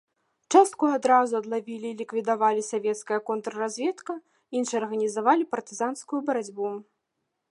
Частку адразу адлавілі і ліквідавалі савецкая контрразведка, іншыя арганізавалі партызанскую барацьбу.